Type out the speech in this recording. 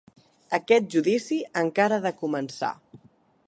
Aquest judici encara ha de començar.